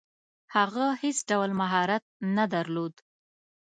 هغه هیڅ ډول مهارت نه درلود.